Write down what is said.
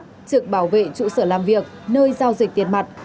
trực bảo vệ trụ sở làm việc nơi giao dịch tiền mặt